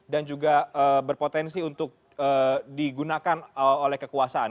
dan juga berpotensi untuk digunakan oleh kekuasaan